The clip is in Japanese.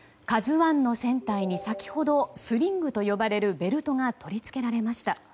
「ＫＡＺＵ１」の船体に先ほどスリングと呼ばれるベルトが取り付けられました。